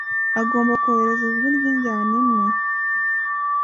agomba kwohereza ijwi ry'injyana imwe